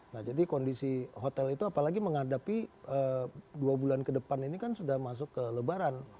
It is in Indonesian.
nah jadi kondisi hotel itu apalagi menghadapi dua bulan ke depan ini kan sudah masuk ke lebaran